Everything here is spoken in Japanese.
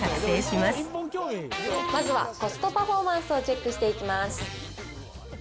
まずはコストパフォーマンスをチェックしていきます。